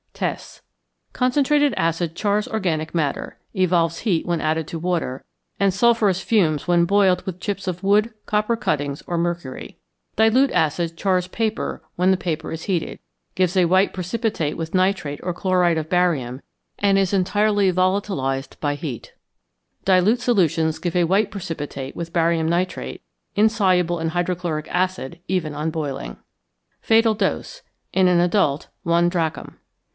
Tests. Concentrated acid chars organic matter; evolves heat when added to water, and sulphurous fumes when boiled with chips of wood, copper cuttings, or mercury. Dilute acid chars paper when the paper is heated; gives a white precipitate with nitrate or chloride of barium, and is entirely volatilized by heat. Dilute solutions give a white precipitate with barium nitrate, insoluble in hydrochloric acid even on boiling. Fatal Dose. In an adult, 1 drachm.